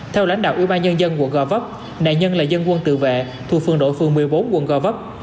theo lãnh đạo ủy ban nhân dân quận gò vấp nạn nhân là dân quân tự vệ thuộc phường đội phường một mươi bốn quận gò vấp